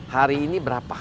hari ini berapa